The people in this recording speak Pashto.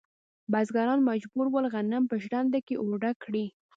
بزګران مجبور ول غنم په ژرندو کې اوړه کړي.